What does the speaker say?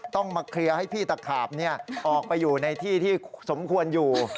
ต้องมาเคลียร์ให้พี่ตะขาบออกไปอยู่ในที่ที่สมควรอยู่